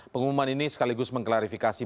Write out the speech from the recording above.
pengumuman ini sekaligus mengklarifikasi